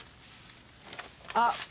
あっ。